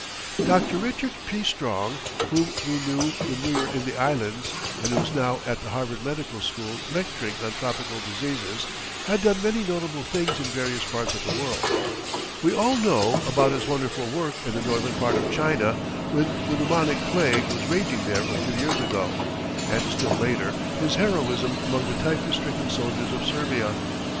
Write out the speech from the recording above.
Dr. Richard P. Strong, whom we knew when we were in the Islands and who is now at the Harvard Medical School lecturing on tropical diseases, has done many notable things in various parts of the world. We all know about his wonderful work in the northern part of China, when the pneumonic plague was raging there a few years ago, and still later his heroism among the typhus stricken soldiers of Serbia.